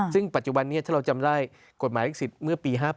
ซึ่งปัจจุบันนี้ถ้าเราจำได้กฎหมายลิขสิทธิ์เมื่อปี๕๘